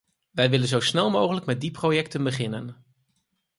We willen zo snel mogelijk met die projecten beginnen.